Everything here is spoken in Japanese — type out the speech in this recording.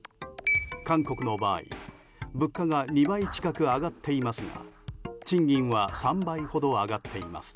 韓国の場合物価が２倍近く上がっていますが賃金は３倍ほど上がっています。